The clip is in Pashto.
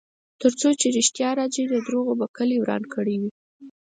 ترڅو چې ریښتیا راځي، دروغو به کلی وران کړی وي.